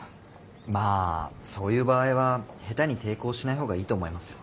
まあそういう場合は下手に抵抗しないほうがいいと思いますよ。